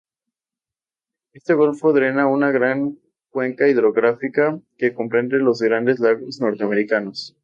Este golfo drena una gran cuenca hidrográfica que comprende los Grandes Lagos norteamericanos.